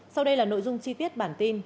sau đây là nội dung chi tiết bản tin